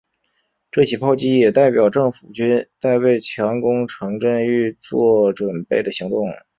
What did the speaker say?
这起炮击也代表政府军在为强攻城镇预作准备的行动。